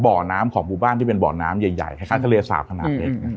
บ่อน้ำของหมู่บ้านที่เป็นบ่อน้ำใหญ่คล้ายทะเลสาบขนาดเล็ก